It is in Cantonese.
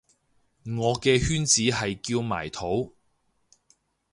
我嘅圈子係叫埋土